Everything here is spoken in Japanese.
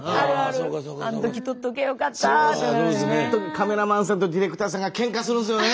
カメラマンさんとディレクターさんがけんかするんすよね。